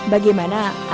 bagaimana anda membuat bambu